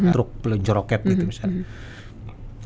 truk peluncur roket gitu misalnya